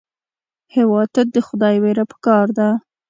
هېواد ته د خدای وېره پکار ده